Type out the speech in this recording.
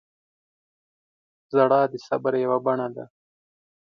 • ژړا د صبر یوه بڼه ده.